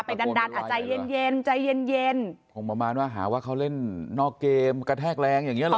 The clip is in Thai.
ไปดันใจเย็นใจเย็นประมาณว่าหาว่าเขาเล่นนอกเกมกระแทกแรงอย่างเงี้ยเหรอ